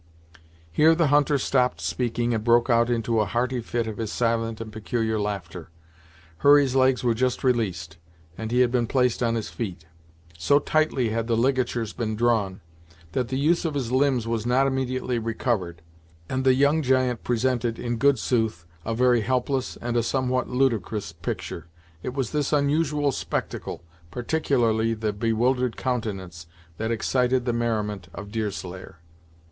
Here the hunter stopped speaking and broke out into a hearty fit of his silent and peculiar laughter. Hurry's legs were just released, and he had been placed on his feet. So tightly had the ligatures been drawn, that the use of his limbs was not immediately recovered, and the young giant presented, in good sooth, a very helpless and a somewhat ludicrous picture. It was this unusual spectacle, particularly the bewildered countenance, that excited the merriment of Deerslayer.